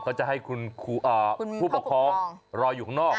เขาจะให้คุณผู้ปกครองรออยู่ข้างนอก